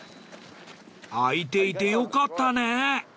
開いていてよかったね。